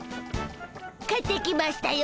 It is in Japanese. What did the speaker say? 帰ってきましたよ